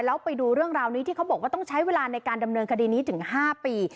แล้วไปดูเรื่องราวนี้ที่เขาบอกว่าต้องใช้เวลาในการดำเนินคดีนี้ถึง๕ปี